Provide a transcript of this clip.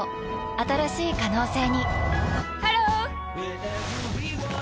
新しい可能性にハロー！